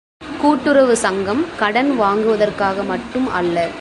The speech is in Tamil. கூட்டுறவு சங்கம் கடன் வாங்குவதற்காக மட்டும் அல்ல.